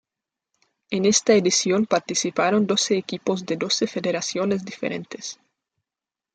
En esta edición participaron doce equipos de doce federaciones diferentes.